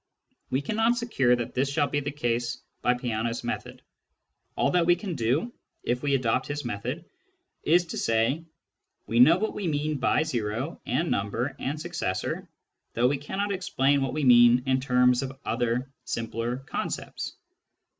We cannot secure that this shall be the case by Peano's method ; all that we can do, if we adopt his method, is to say " we know what we mean by ' o ' and ' number ' and ' successor,' though we cannot explain what we mean in terms of other simpler concepts."